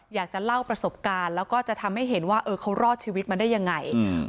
อยากจะเล่าประสบการณ์แล้วก็จะทำให้เห็นว่าเออเขารอดชีวิตมาได้ยังไงอืม